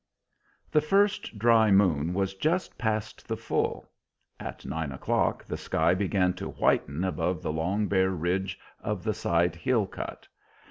The first dry moon was just past the full. At nine o'clock the sky began to whiten above the long, bare ridge of the side hill cut.